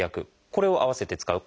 これを併せて使う。